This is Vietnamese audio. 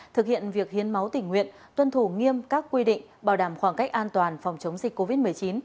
thực hiện việc hiến máu tỉnh nguyện tuân thủ nghiêm các quy định bảo đảm khoảng cách an toàn phòng chống dịch covid một mươi chín